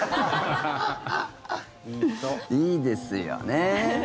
いいですよね。